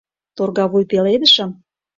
Торгавуй пеледышым?